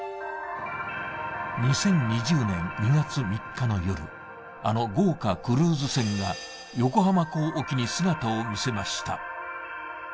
２０２０年２月３日の夜あの豪華クルーズ船が横浜港沖に姿を見せました